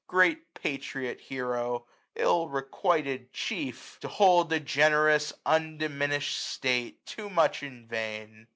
Great patriot hero ! ill requited chief!) To hold a generous undiminished state ; 900 Too much in vain